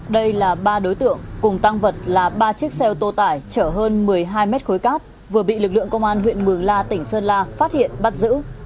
đây là ba đối tượng cùng tăng vật là ba chiếc xeo tô tải trở hơn một mươi hai m khối cát vừa bị lực lượng công an huyện mường la tỉnh sơn la phát hiện bắt giữ